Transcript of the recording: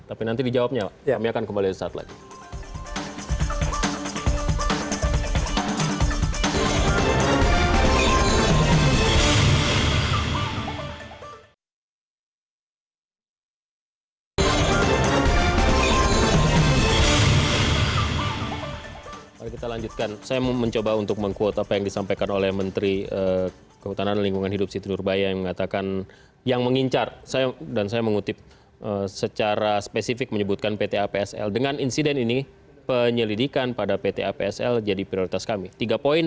tapi nanti dijawabnya pak kami akan kembali lagi